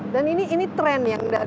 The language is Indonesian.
dan ini tren yang dari